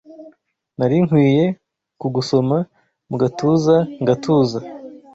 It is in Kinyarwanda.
Nari nkwiye kugusoma mugatuza ngatuza